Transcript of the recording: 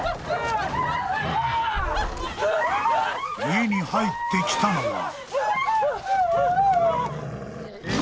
・［家に入ってきたのは］